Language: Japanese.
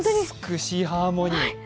美しいハーモニー。